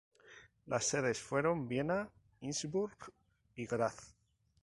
Las sedes fueron Viena, Innsbruck y Graz.